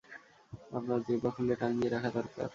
আপনার জিহ্বা খুলে টাঙ্গিয়ে রাখা দরকার!